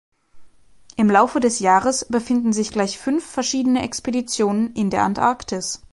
Im Laufe des Jahres befinden sich gleich fünf verschiedene Expeditionen in der Antarktis.